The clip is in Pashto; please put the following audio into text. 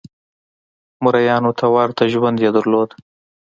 مریانو ته ورته ژوند یې درلود.